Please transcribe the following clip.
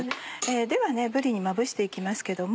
ではぶりにまぶして行きますけども。